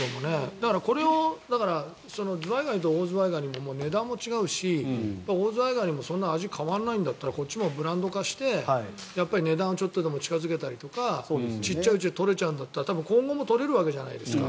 だから、これをズワイガニとオオズワイガニで値段も違うし、オオズワイガニもそんなに味変わらないんだったらこっちのほうもブランド化して値段をちょっとでも近付けたりとか小さいうちに取れちゃうんだったら今後も取れるわけじゃないですか。